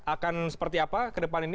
akan seperti apa ke depan ini